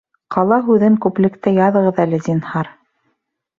Ҡала һүҙен күплектә яҙығыҙ әле, зинһар